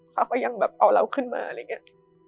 เขาก็ยังแบบเอาเราขึ้นมาอะไรอย่างนี้